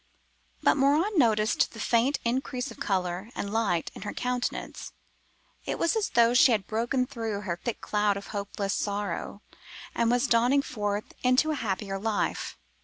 But Morin noticed the faint increase of colour and light in her countenance. It was as though she had broken through her thick cloud of hopeless sorrow, and was dawning forth into a happier life.